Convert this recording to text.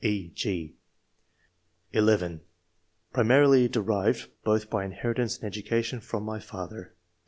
(e, g) (11) "Primarily derived [both by inheritance and education] from "my father."